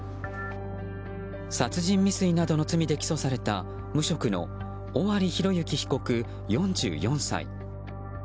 殺人未遂などの罪で起訴された無職の尾張裕之被告、４４歳。